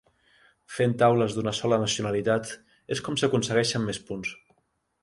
Fent taules d'una sola nacionalitat és com s'aconsegueixen més punts.